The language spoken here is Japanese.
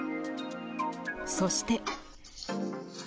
そして。